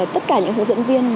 tất cả những hướng dẫn viên